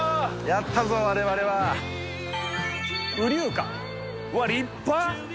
やったぞ我々は友琉館うわ立派！